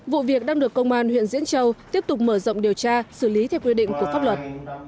vụ việc đang được công an huyện diễn châu tiếp tục mở rộng điều tra xử lý theo quy định của pháp luật